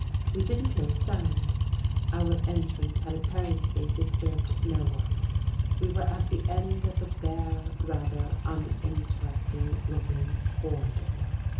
We didn't hear a sound. Our entrance had apparently dis turbed no one. We were at the end of a bare, rather uninteresting looking corridor.